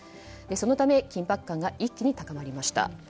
そのため、緊迫感が一気に高まりました。